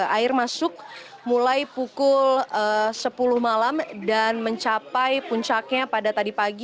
air masuk mulai pukul sepuluh malam dan mencapai puncaknya pada tadi pagi